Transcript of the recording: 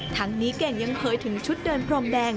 ทั้งนี้เก่งยังเผยถึงชุดเดินพรมแดง